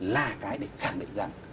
là cái để khẳng định rằng